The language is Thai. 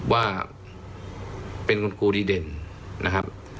ว่าเป็นคุณครูดีเด่นนะครับ